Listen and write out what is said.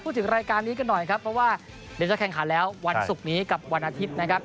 ถึงรายการนี้กันหน่อยครับเพราะว่าเดี๋ยวจะแข่งขันแล้ววันศุกร์นี้กับวันอาทิตย์นะครับ